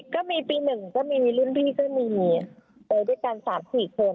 ก็มีปี๑ก็มีรุ่นพี่ก็มีนี่